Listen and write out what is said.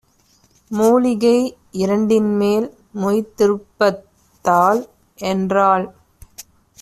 மூலிகை இரண்டின்மேல் மொய்த்திருப்ப தால்" என்றாள்.